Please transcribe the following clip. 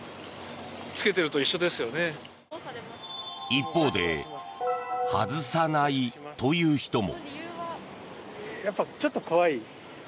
一方で、外さないという人も。